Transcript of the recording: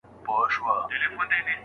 کېدای سي لارښود د شاګرد مقاله رد کړي.